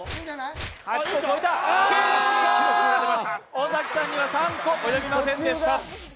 尾崎さんには３個及びませんでした。